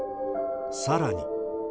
さらに。